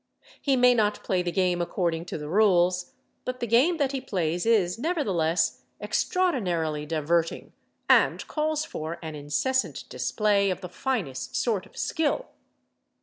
He may not play the game according to the rules, but the game that he plays is nevertheless extraordinarily diverting and calls for an incessant display of the finest sort of skill.